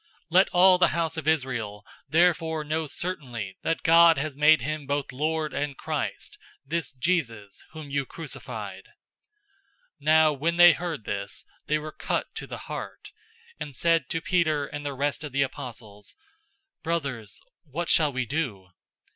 "'{Psalm 110:1} 002:036 "Let all the house of Israel therefore know certainly that God has made him both Lord and Christ, this Jesus whom you crucified." 002:037 Now when they heard this, they were cut to the heart, and said to Peter and the rest of the apostles, "Brothers, what shall we do?"